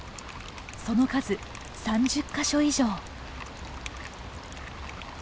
その数３０か所以上。